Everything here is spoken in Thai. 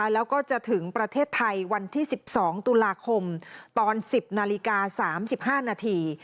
แล้วก็จะถึงประเทศไทยวันที่๑๒ตุลาคมตอน๑๐นาฬิกา๓๕นาที